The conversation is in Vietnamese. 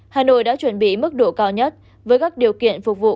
hà nội đã chuẩn bị mức độ cao nhất với các điều kiện phục vụ